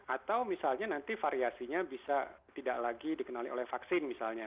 atau misalnya nanti variasinya bisa tidak lagi dikenali oleh vaksin misalnya